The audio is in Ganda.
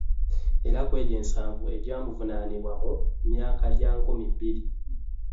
Era ku ejjo nsanvu egyamuvunaanibwa mu myaka gya nkumi bbiri